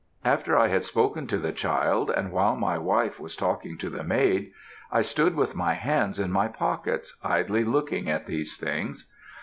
After I had spoken to the child, and while my wife was talking to the maid, I stood with my hands in my pockets, idly looking at these things.